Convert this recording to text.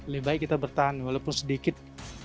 lebih baik kita bertahan walaupun sedikit